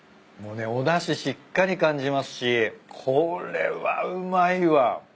もうねおだししっかり感じますしこれはうまいわ。